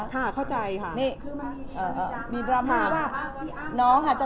ค่ะเข้าใจค่ะ